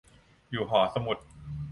อยู่หอสมุด